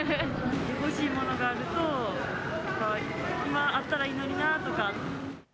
欲しいものがあると、今あったらいいのになとか。